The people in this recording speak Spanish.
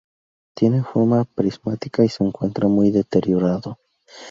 Tiene forma prismática y se encuentra muy deteriorado.